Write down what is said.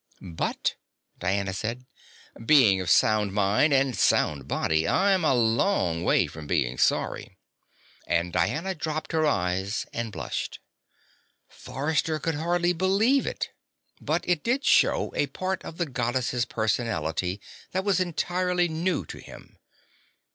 "But?" Diana said. "Being of sound mind and sound body, I'm a long way from being sorry." And Diana dropped her eyes and blushed. Forrester could barely believe it. But it did show a part of the Goddess's personality that was entirely new to him.